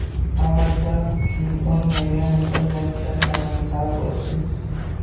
Avval chap, keyin o‘ng va yana bir bor chap tomonga qarab o'tsin.